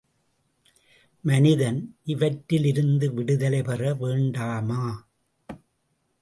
மனிதன் இவற்றிலிருந்து விடுதலை பெற வேண்டாமா?